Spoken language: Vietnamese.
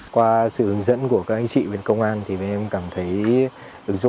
qua sự hướng dẫn của các anh chị bên công an thì mình cảm thấy